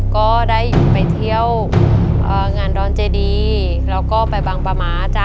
ก็ได้ไปเที่ยวงานดอนเจดีแล้วก็ไปบางปลาม้าจ๊ะ